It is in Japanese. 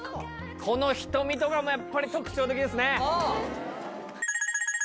この瞳とかもやっぱり特徴的ですね。